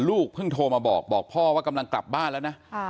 ลูกเพิ่งโทรมาบอกบอกพ่อว่ากำลังกลับบ้านแล้วนะ